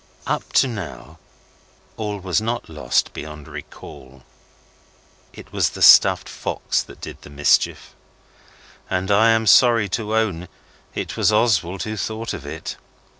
Up to now all was not yet lost beyond recall. It was the stuffed fox that did the mischief and I am sorry to own it was Oswald who thought of it.